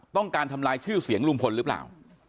ต้องการทำลายชื่อเสียงลุงพลหรือเปล่า